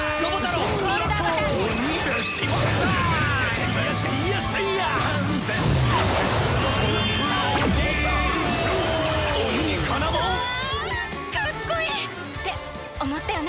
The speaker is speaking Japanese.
うわあかっこいい！って思ったよね？